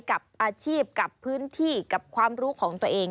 กับอาชีพกับพื้นที่กับความรู้ของตัวเอง